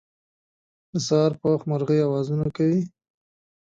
د سهار په وخت مرغۍ اوازونه کوی